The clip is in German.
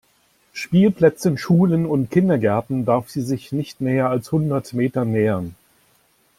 Spielplätzen, Schulen und Kindergärten darf sie sich nicht näher als hundert Meter nähern.